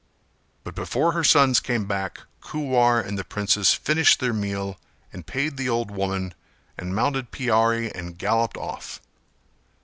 But before her sons came back Kuwar and the princess finished their meal and paid the old woman and mounted Piyari and gallopped off.